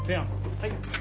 はい。